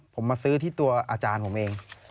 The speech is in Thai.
ผมมาซื้อที่ตัวอาจารย์ผมเอง